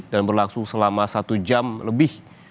dan berlaku selama satu jam lebih